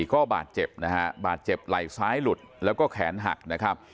ก็บาดเจ็บนะฮะบาดเจ็บไหล่ซ้ายหลุดแล้วก็แขนหักนะครับ